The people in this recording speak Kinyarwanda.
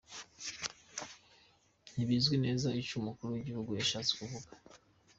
Ntibizwi neza ico umukuru w'igihugu yashatse kuvuga.